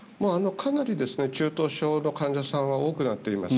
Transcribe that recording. かなり中等症の患者さんは多くなっています。